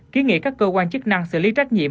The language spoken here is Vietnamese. ký nghị các cơ quan chức năng xử lý trách nhiệm